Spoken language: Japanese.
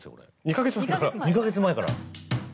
２ヶ月前から。